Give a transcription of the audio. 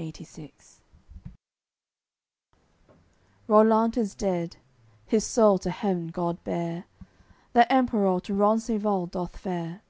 CLXXVII Rollant is dead; his soul to heav'n God bare. That Emperour to Rencesvals doth fare.